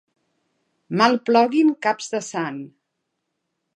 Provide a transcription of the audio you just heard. Mal ploguin caps de sant!